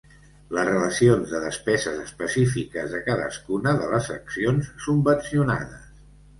Les relacions de despeses específiques de cadascuna de les accions subvencionades.